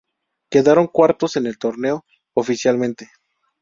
Quedaron cuartos en el torneo oficialmente.